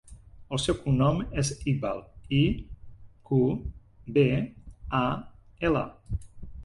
El seu cognom és Iqbal: i, cu, be, a, ela.